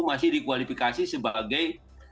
masih dikualifikasi sebagai